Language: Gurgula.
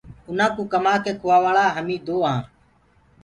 اُنآ ڪوٚ ڪمآنٚ ڪي کوٚوآوآݪآ هميٚنٚ دو آنٚ۔